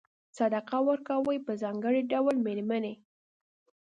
صدقه ورکوي په ځانګړي ډول مېرمنې.